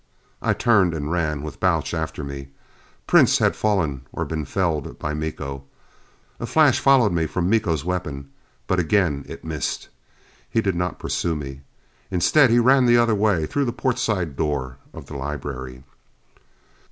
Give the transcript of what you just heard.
I turned and ran, with Balch after me. Prince had fallen or been felled by Miko. A flash followed me from Miko's weapon, but again it missed. He did not pursue me. Instead he ran the other way, through the portside door of the library.